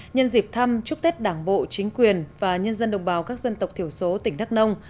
nhân dịp thăm chúc tết đảng bộ chính quyền và nhân dân đồng bào các dân tộc thiểu số tỉnh đắk nông